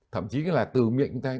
thậm chí là từ miệng